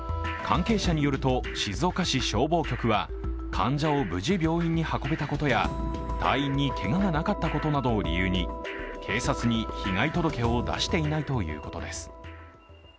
関係者によると静岡市消防局は患者を無事病院に運べたことや、隊員にけががなかったことなどを理由に、警察に被害届を出していないということです。